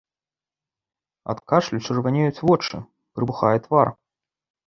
Ад кашлю чырванеюць вочы, прыпухае твар.